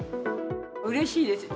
うれしいですよ。